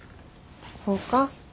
ほうか。